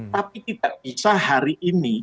tapi tidak bisa hari ini